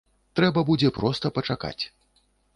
Трэба будзе проста пачакаць.